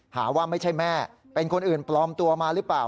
หาว่าไม่ใช่แม่เป็นคนอื่นปลอมตัวมาหรือเปล่า